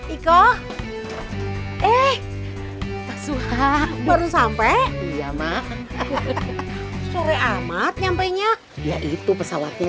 iko eh pasukan baru sampai iya mah sore amat nyampainya yaitu pesawatnya